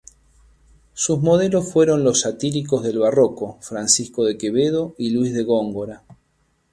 Sus modelos fueron los satíricos del barroco Francisco de Quevedo y Luis de Góngora.